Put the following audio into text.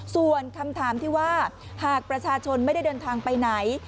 ส่วนคำถามที่ว่าหากประชาชนไม่ได้เดินทางไปไหน